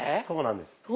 そうなんです。